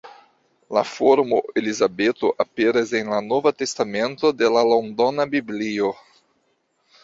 La formo Elizabeto aperas en la Nova testamento de la Londona Biblio.